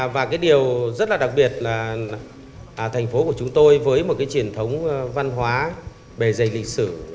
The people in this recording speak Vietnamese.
và điều rất đặc biệt là thành phố của chúng tôi với một truyền thống văn hóa bề dày lịch sử